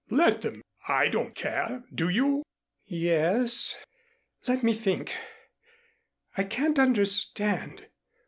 "Let them. I don't care. Do you?" "Ye s. Let me think. I can't understand.